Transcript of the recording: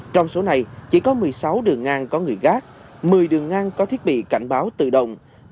trong số này chỉ có một mươi sáu đường ngang có người gác một mươi đường ngang có thiết bị cảnh báo tự động